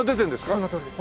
そのとおりです。